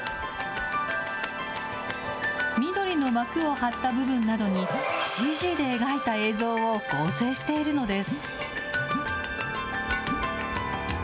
緑の幕を張った部分などに、ＣＧで描いた映像を合成しているのです。